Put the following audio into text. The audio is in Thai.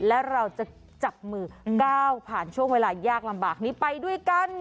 และเราจะจับมือก้าวผ่านช่วงเวลายากลำบากนี้ไปด้วยกัน